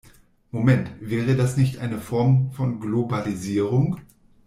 Moment, wäre das nicht eine Form von Globalisierung?